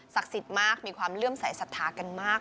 ศักดิ์สิทธิ์มากมีความเลื่อมใสสัทธากันมาก